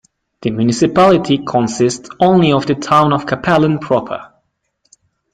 The municipality consists only of the town of Kapellen proper.